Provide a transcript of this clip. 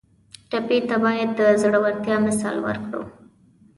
ټپي ته باید د زړورتیا مثال ورکړو.